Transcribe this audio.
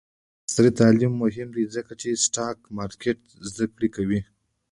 عصري تعلیم مهم دی ځکه چې د سټاک مارکیټ زدکړه کوي.